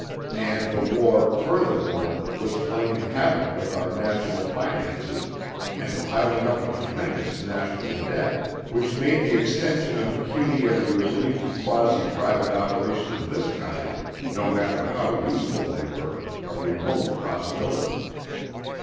And the war, furthermore, was playing havoc with our national finances and piling up a tremendous national debt, which made the extension of pecuniary relief to quasi private operations of this kind, no matter how useful they were, a remote possibility.